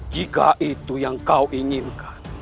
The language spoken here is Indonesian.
jika itu yang kau inginkan